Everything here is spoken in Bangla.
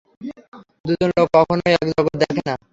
দুজন লোক কখনও এক জগৎ দেখে না।